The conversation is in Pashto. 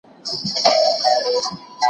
زه زدکړه کړې ده؟!